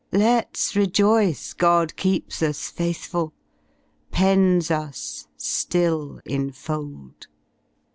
Lefs rejoice God keeps us faithful, pens tis Rill infold.